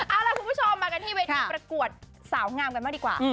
เอาล่ะคุณผู้ชมมากันที่เวทีประกวดสาวงามกันบ้างดีกว่า